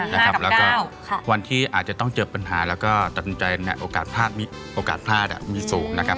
แล้วก็วันที่อาจจะต้องเจอปัญหาแล้วก็ตัดสินใจโอกาสพลาดมีสูงนะครับ